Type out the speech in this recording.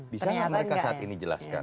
bisa nggak mereka saat ini jelaskan